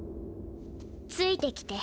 ついてきて。